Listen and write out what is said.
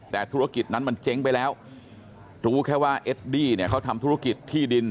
แต่ธุรกิจนั้นมันเจ๊งไปแล้วรู้แค่ว่าเอดดี้เนี่ยเขาทำธุรกิจที่ดิน